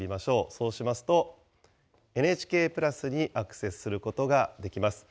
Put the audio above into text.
そうしますと、ＮＨＫプラスにアクセスすることができます。